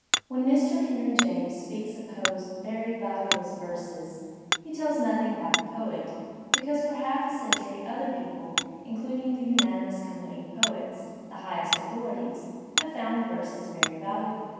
When Mr. Henry James speaks of Poe's '*very valueless verses," he tells nothing about the poet, because for half a century other people, including the unanimous com pany of poets, the highest authorities, have found the verses very valuable.